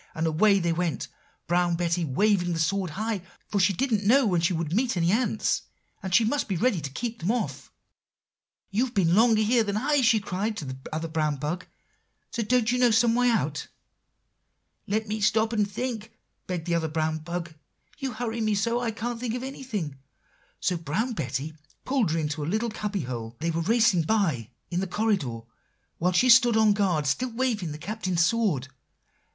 And away they went, Brown Betty waving the sword high; for she didn't know when she would meet any ants, and she must be ready to keep them off. "'You've been here longer than I,' she cried to the other brown bug; 'don't you know some way out?' "'Let me stop and think,' begged the other brown bug; 'you hurry me so I can't think of anything.' So Brown Betty pulled her into a little cubby hole, they were racing by, in the corridor, while she stood on guard, still waving the Captain's sword.